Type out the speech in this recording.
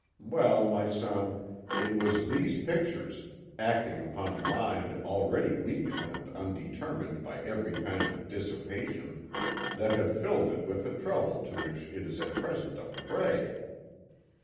Well, my son, it was these pictures, acting upon a mind already weakened and undermined by every kind of dissipation, that have filled it with the trouble to which it is at present a prey."